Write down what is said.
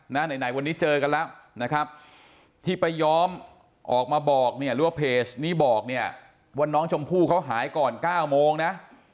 ไหนวันนี้เจอกันแล้วนะครับที่ป้าย้อมออกมาบอกเนี่ยหรือว่าเพจนี้บอกเนี่ยว่าน้องชมพู่เขาหายก่อน๙โมงนะ